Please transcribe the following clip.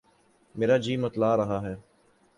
میرا جی متلا رہا ہے